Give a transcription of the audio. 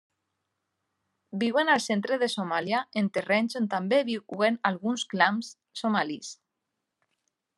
Viuen al centre de Somàlia en terrenys on també viuen alguns clans somalis.